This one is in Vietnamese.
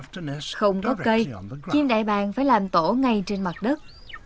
thảo nguyên đại bàng phải làm tổ ngay trên mặt đất